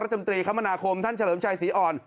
รักษมตรีคมณาคมท่านเฉลิมชายศรีอ่อน